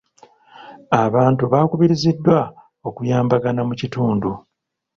Abantu baakubiriziddwa okuyambagana mu kitundu.